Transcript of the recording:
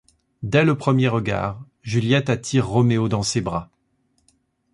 Dès le premier regard, Juliette attire Roméo dans ses bras.